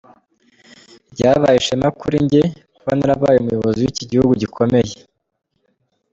"Ryabaye ishema kuri jye kuba narabaye umuyobozi w'iki gihugu gikomeye.